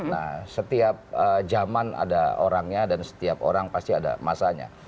nah setiap zaman ada orangnya dan setiap orang pasti ada masanya